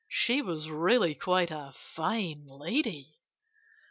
She was really quite a fine lady.